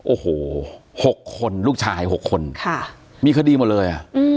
โอ้โห๖คนลูกชาย๖คนมีคดีหมดเลย